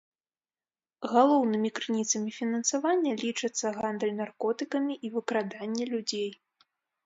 Галоўнымі крыніцамі фінансавання лічацца гандаль наркотыкамі і выкраданне людзей.